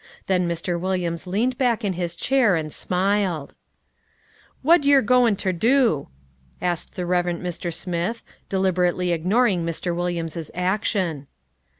Then Mr. Williams leaned back in his chair and smiled. "Whad yer goin' ter do?" asked the Reverend Mr. Smith, deliberately ignoring Mr. Williams's action.